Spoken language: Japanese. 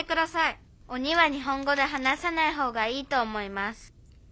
「鬼は日本語で話さない方がいいと思います」。